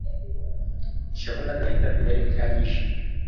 ishavu n'agahinda byari byanyishe